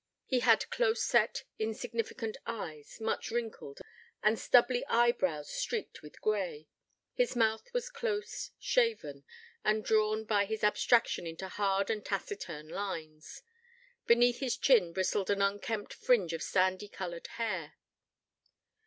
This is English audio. He had close set, insignificant eyes, much wrinkled, and stubbly eyebrows streaked with grey. His mouth was close shaven, and drawn by his abstraction into hard and taciturn lines; beneath his chin bristled an unkempt fringe of sandy coloured hair.